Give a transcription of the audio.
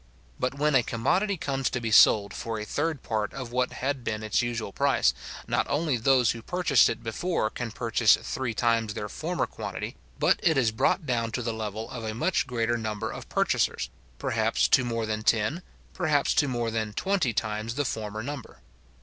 But when a commodity comes to be sold for a third part of what bad been its usual price, not only those who purchased it before can purchase three times their former quantity, but it is brought down to the level of a much greater number of purchasers, perhaps to more than ten, perhaps to more than twenty times the former number.